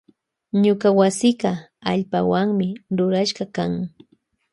Ñuka wasika allpawanmi rurashkakan.